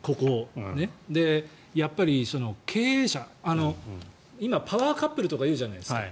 やっぱり経営者今、パワーカップルとか言うじゃないですか。